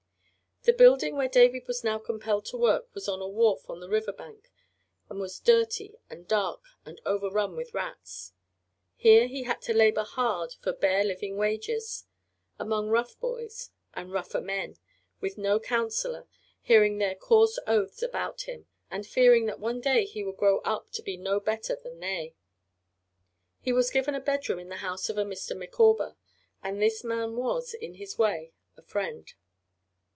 The building where David now was compelled to work was on a wharf on the river bank, and was dirty and dark and overrun with rats. Here he had to labor hard for bare living wages, among rough boys and rougher men, with no counselor, hearing their coarse oaths about him, and fearing that one day he would grow up to be no better than they. He was given a bedroom in the house of a Mr. Micawber, and this man was, in his way, a friend.